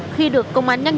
khi được công an nhắc nhở